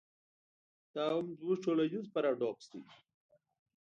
دا هم زموږ ټولنیز پراډوکس دی.